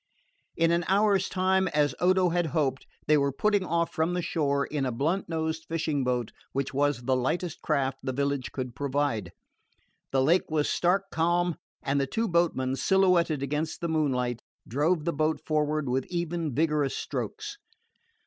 In an hour's time, as Odo had hoped, they were putting off from the shore in a blunt nosed fishing boat which was the lightest craft the village could provide. The lake was stark calm, and the two boatmen, silhouetted against the moonlight, drove the boat forward with even vigorous strokes.